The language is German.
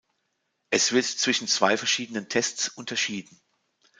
Es wird zwischen zwei verschiedenen Tests unterschieden.